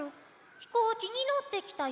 ひこうきにのってきたよ。